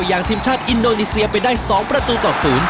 อย่างทีมชาติอินโดนีเซียไปได้๒ประตูต่อ๐